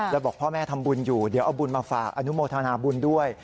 แล้วบอกพ่อแม่ทำบุญอยู่เดี๋ยวเอาบุญมาฝากอนุโมทนาบุญด้วย